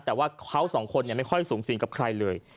แต่ว่าเขาสองคนไม่ค่อยสูงสิงกับใครเลย